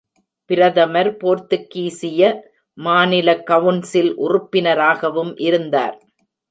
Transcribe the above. பிரதமர் போர்த்துகீசிய மாநில கவுன்சில் உறுப்பினராகவும் இருந்தார்.